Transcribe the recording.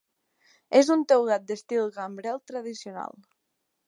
És un teulat d'estil gambrel tradicional.